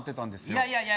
いやいやいや